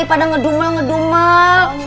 daripada gedumel gedumel